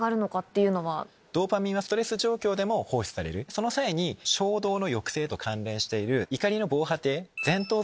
その際に衝動の抑制と関連している。